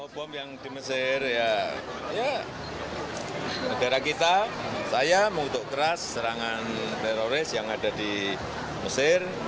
bom yang di mesir ya negara kita saya mengutuk keras serangan teroris yang ada di mesir